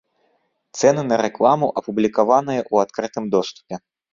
Цэны на рэкламу апублікаваныя ў адкрытым доступе.